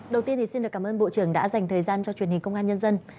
đầu tiên xin cảm ơn bộ trưởng đã dành thời gian cho truyền hình công an nhân dân